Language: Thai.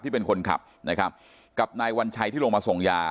เป็นคนขับนะครับกับนายวัญชัยที่ลงมาส่งยา